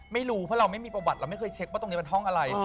ไม่รู้เพราะเราไม่มีประวัติเราไม่เคยเช็คว่าตรงนี้เป็นห้องอะไร